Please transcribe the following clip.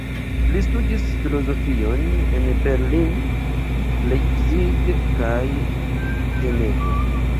Li studis filozofion en Berlin, Leipzig kaj Ĝenevo.